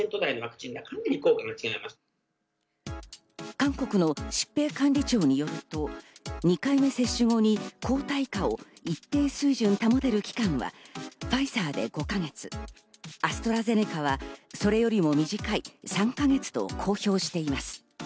韓国の疾病管理庁によると、２回目接種後に抗体価を一定水準保てる期間はファイザーで５か月、アストラゼネカはそれよりも短い３か月と公表しています。